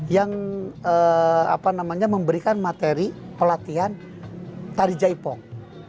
yang apa namanya memberikan materi pelatihan tari jaipong